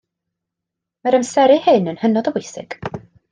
Mae'r amseru hyn yn hynod o bwysig